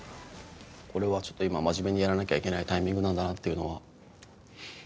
これはちょっと今真面目にやらなきゃいけないタイミングなんだなっていうのは。